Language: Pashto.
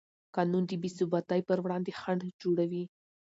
قانون د بېثباتۍ پر وړاندې خنډ جوړوي.